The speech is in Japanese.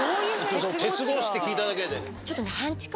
鉄格子って聞いただけで。